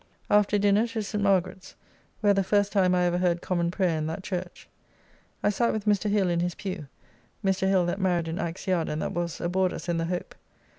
After dinner to St. Margaret's, where the first time I ever heard Common Prayer in that Church. I sat with Mr. Hill in his pew; Mr. Hill that married in Axe Yard and that was aboard us in the Hope.